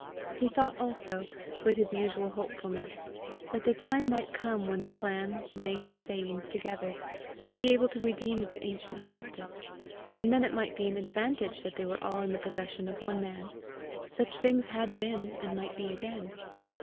He thought also, with his usual hopefulness, that the time might come when the clan, laying its savings together, would be able to redeem its ancient homesteads, and then it might be an advantage that they were all in the possession of one man. Such things had been, and might be again!